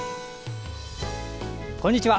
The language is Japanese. こんにちは。